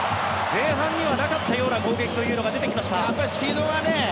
前半にはなかったような攻撃が出てきました。